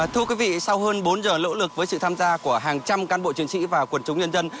trong lỗ lực với sự tham gia của hàng trăm cán bộ chiến sĩ và quần chống nhân dân